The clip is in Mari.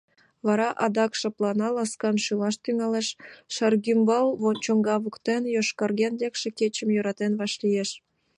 Вара адак шыплана, ласкан шӱлаш тӱҥалеш, Шаргӱмбал чоҥга воктен йошкарген лекше кечым йӧратен вашлиеш.